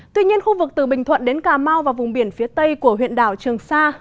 tuy nhiên khu vực từ bình thuận đến cà mau và vùng biển phía tây của huyện đảo trường sa